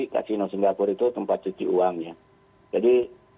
kasino singapura itu tempat cuci uangnya jadi